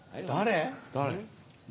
誰？